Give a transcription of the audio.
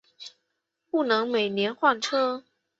不能每年换车